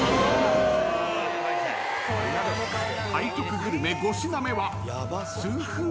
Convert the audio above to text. ［背徳グルメ５品目は］